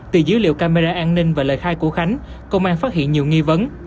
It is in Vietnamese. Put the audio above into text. từ dữ liệu camera an ninh và lời khai của khánh công an phát hiện nhiều nghi vấn